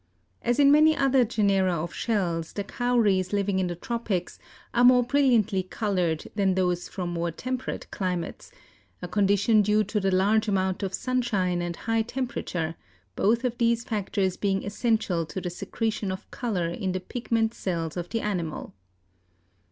As in many other genera of shells the Cowries living in the tropics are more brilliantly colored than those from more temperate climes, a condition due to the large amount of sunshine and high temperature, both of these factors being essential to the secretion of color in the pigment cells of the animal.